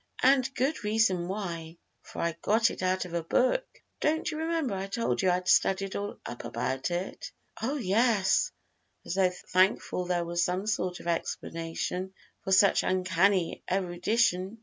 "And good reason why, for I got it out of a book. Don't you remember I told you I'd studied up about it?" "Oh, yes," as though thankful there was some sort of explanation for such uncanny erudition.